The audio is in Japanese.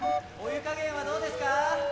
お湯加減はどうですか？